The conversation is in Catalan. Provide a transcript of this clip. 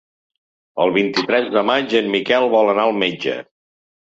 El vint-i-tres de maig en Miquel vol anar al metge.